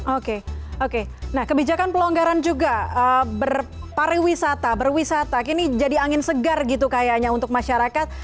oke oke nah kebijakan pelonggaran juga berpariwisata berwisata kini jadi angin segar gitu kayaknya untuk masyarakat